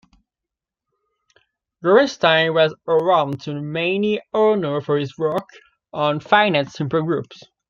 Gorenstein was awarded many honors for his work on finite simple groups.